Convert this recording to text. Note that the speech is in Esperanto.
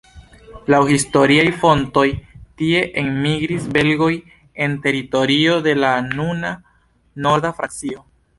Laŭ historiaj fontoj tie enmigris belgoj el teritorio de la nuna norda Francio.